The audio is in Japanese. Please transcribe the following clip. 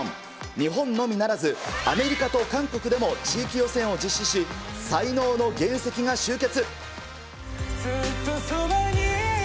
日本のみならず、アメリカと韓国でも地域予選を実施し、才能の原石が集結。